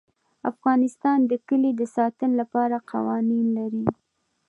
افغانستان د کلي د ساتنې لپاره قوانین لري.